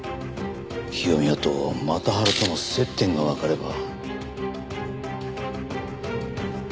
清宮とマタハラとの接点がわかれば。